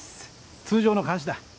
通常の監視だ。